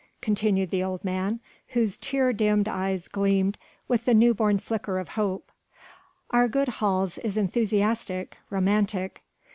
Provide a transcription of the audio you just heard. continued the old man, whose tear dimmed eyes gleamed with the new born flicker of hope. "Our good Hals is enthusiastic, romantic